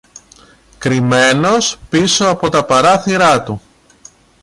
Κρυμμένος πίσω από τα παράθυρα του